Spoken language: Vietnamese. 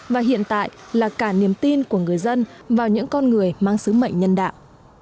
và hiện tại là cả niềm tin của người dân vào những con người mang sứ mệnh nhân đạo